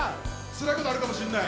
つらい事あるかもしれない。